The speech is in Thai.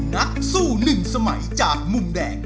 นักสู้หนึ่งสมัยจากมุมแดง